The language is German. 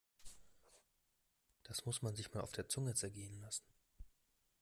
Das muss man sich mal auf der Zunge zergehen lassen!